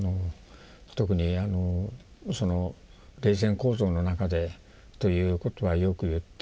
特に冷戦構造の中でということはよく言っておられまして。